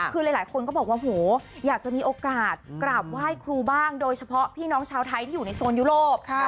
คือหลายคนก็บอกว่าโหอยากจะมีโอกาสกราบไหว้ครูบ้างโดยเฉพาะพี่น้องชาวไทยที่อยู่ในโซนยุโรป